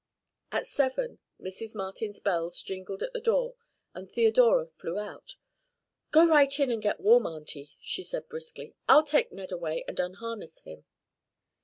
At seven Mrs. Martins bells jingled at the door and Theodora flew out. "Go right in and get warm, Auntie," she said briskly. "I'll take Ned away and unharness him."